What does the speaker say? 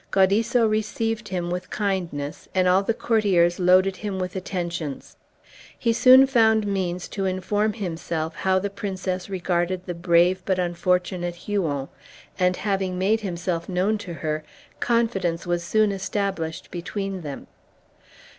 Guadisso received him with kindness, and all the courtiers loaded him with attentions. He soon found means to inform himself how the Princess regarded the brave but unfortunate Huon, and having made himself known to her, confidence was soon established between them.